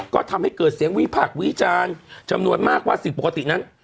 ก็ทำให้เกิดเสียงวิพากษ์วิจารณ์จำนวนมากว่าสิ่งปกตินั้น